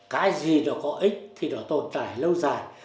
cái gì nó có ích thì nó tồn tại lâu dài